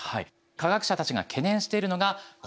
科学者たちが懸念しているのがこちらです。